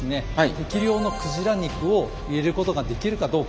適量の鯨肉を入れることができるかどうか。